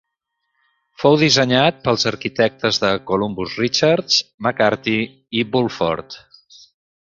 Fou dissenyat pels arquitectes de Columbus Richards, McCarty i Bulford.